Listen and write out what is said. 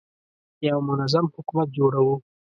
یو منظم حکومت جوړوو.